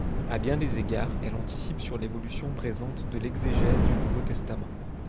À bien des égards, elle anticipe sur l’évolution présente de l’exégèse du Nouveau Testament.